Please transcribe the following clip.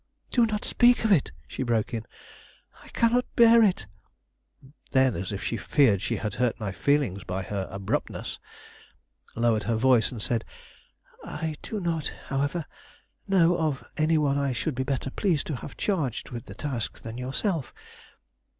"Do not speak of it!" she broke in, "I cannot bear it." Then, as if she feared she had hurt my feelings by her abruptness, lowered her voice and said: "I do not, however, know of any one I should be better pleased to have charged with the task than yourself.